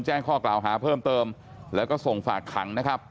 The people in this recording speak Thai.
แจ้งข้อกล่าวหาเพิ่มเติมแล้วก็ส่งฝากขังนะครับ